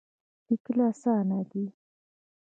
لیکل اسانه دی.